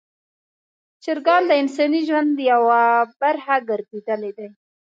چرګان د انساني ژوند یوه برخه ګرځېدلي دي.